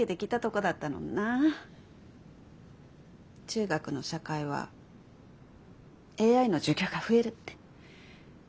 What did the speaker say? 中学の社会はＡＩの授業が増えるって。